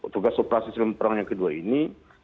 tugas operasi film perang yang kedua ini